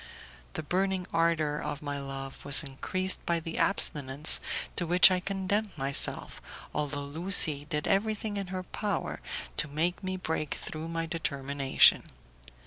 The burning ardour of my love was increased by the abstinence to which I condemned myself, although Lucie did everything in her power to make me break through my determination.